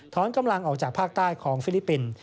กำลังออกจากภาคใต้ของฟิลิปปินส์